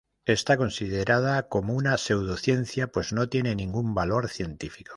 Está considerada como una pseudociencia pues no tiene ningún valor científico.